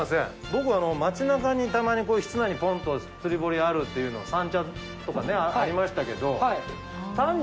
僕街中にたまにこういう室内にポンと釣り堀あるっていうのを三茶とかねありましたけど。